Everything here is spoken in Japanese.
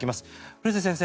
古瀬先生